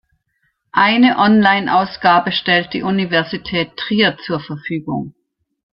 Eine Onlineausgabe stellt die Universität Trier zur Verfügung.